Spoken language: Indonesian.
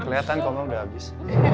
keliatan kok mama udah habis